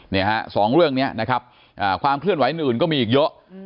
สองเรื่องนี้นะครับความเคลื่อนไหวอื่นก็มีอีกเยอะ